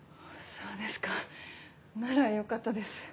そうですかならよかったです。